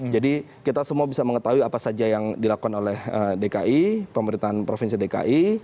jadi kita semua bisa mengetahui apa saja yang dilakukan oleh dki pemerintahan provinsi dki